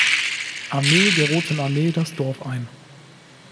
Armee der Roten Armee das Dorf ein.